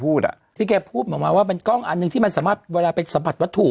พูดพูดว่ามันก็อันหนึ่งที่มันสามารถเวลาไปสัมผัสวัตถุ